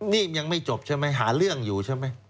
นี่ยังไม่จบใช่ไหมหาเรื่องอยู่ใช่ไหม